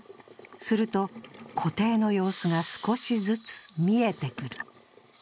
すると、湖底の様子が少しずつ見えてくる。